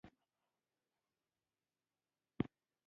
چې لیکوال د نوم په ټاکلو کې له ډېرې زیرکتیا څخه کار اخیستی